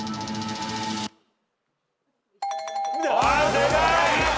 正解！